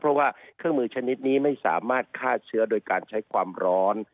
เพราะว่าเครื่องมือชนิดนี้ไม่สามารถฆ่าเชื้อโดยการใช้ความร้อน